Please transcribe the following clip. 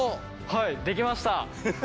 はいできました。